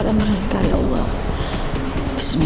tapi bukti kalau ibu pencuri